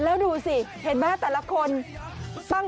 แล้วดูสิเห็นไหมทุกคน